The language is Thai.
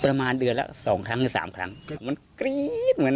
ประมาณเดือนละ๒ครั้งหรือ๓ครั้ง